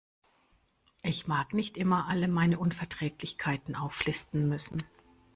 Ich mag nicht immer alle meine Unverträglichkeiten auflisten müssen.